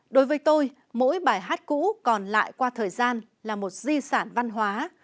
đối với tôi mỗi bài hát cũ còn lại qua thời gian là một di sản văn hóa